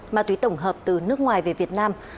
ma túy tổng hợp từ nước ngoài về việt nam